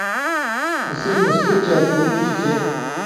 اسیں مثبت چار ݜُو تھی چے